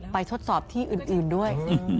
ทดสอบที่อื่นด้วย